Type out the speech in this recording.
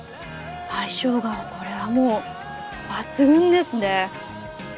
相性がこれはもう抜群ですね。